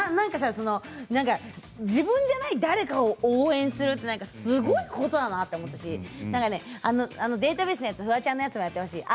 自分じゃない誰かを応援するってすごいことだなと思うしデータベース熱のやつフワちゃんでもやってほしい。